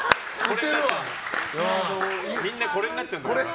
みんなこれになっちゃうんだ。